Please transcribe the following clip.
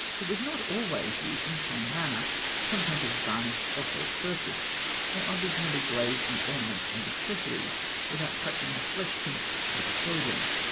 It was not always used in the same manner. Some painters varnished the whole surface, while others merely glazed the ornaments and accessories, without touching the flesh tints or the clothing.